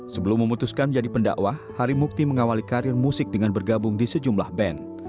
sebelum memutuskan menjadi pendakwah harimukti mengawali karir musik dengan bergabung di sejumlah band